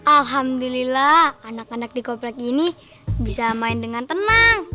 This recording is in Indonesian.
alhamdulillah anak anak di komplek ini bisa main dengan tenang